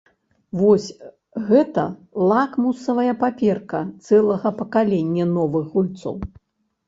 Вось гэта лакмусавая паперка цэлага пакалення новых гульцоў.